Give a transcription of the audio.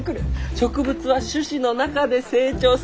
植物は種子の中で成長する。